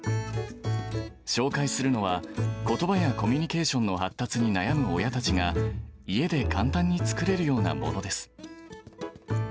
紹介するのは、ことばやコミュニケーションの発達に悩む親たちが、家で簡単に作れるようなものです。